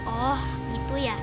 oh gitu ya